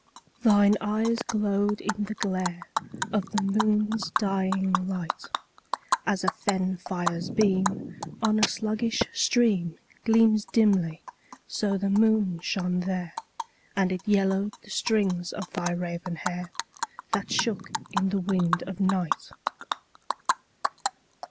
3. Thine eyes glowed in the glare Of the moon's dying light; As a fen fire's beam on a sluggish stream _15 Gleams dimly, so the moon shone there, And it yellowed the strings of thy raven hair, That shook in the wind of night.